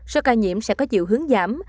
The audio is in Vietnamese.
số ca nhiễm sẽ có chiều hướng giảm